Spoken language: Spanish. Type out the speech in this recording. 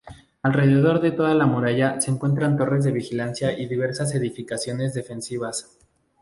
Alrededor de toda la muralla se encuentran torres de vigilancia y diversas edificaciones defensivas.